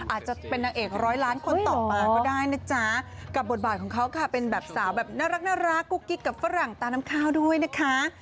อาจจะเป็นนางเอกร้อยล้านคนต่อมาก็ได้นะจ๊ะกับบทบาทของเขาค่ะเป็นแบบสาวแบบน่ารักกุ๊กกิ๊กกับฝรั่งตาน้ำข้าวด้วยนะคะ